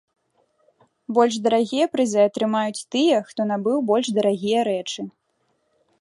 Больш дарагія прызы атрымаюць тыя, хто набыў больш дарагія рэчы.